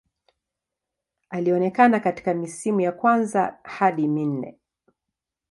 Alionekana katika misimu ya kwanza hadi minne.